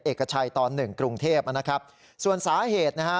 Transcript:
เอกชัยตอนหนึ่งกรุงเทพนะครับส่วนสาเหตุนะฮะ